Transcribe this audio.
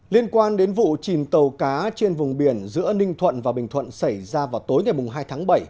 liên quan đến vụ chìm tàu cá trên vùng biển giữa ninh thuận và bình thuận xảy ra vào tối ngày hai tháng bảy